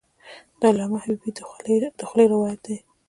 د علامه حبیبي د خولې روایت دی.